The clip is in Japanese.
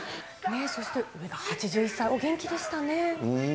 そして上が８１歳、お元気でうん。